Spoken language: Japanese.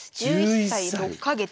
１１歳６か月。